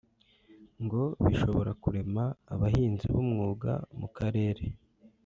ngo bishobora kurema abahinzi b’umwuga mu karere